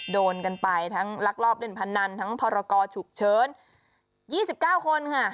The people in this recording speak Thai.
โดนกันไปทั้งลักลอบเล่นพนันทั้งพรกรฉุกเฉิน๒๙คนค่ะ